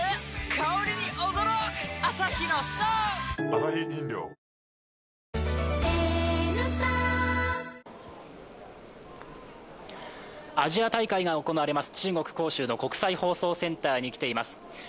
香りに驚くアサヒの「颯」アジア大会が行われます、中国・杭州の国際放送センターに来ています。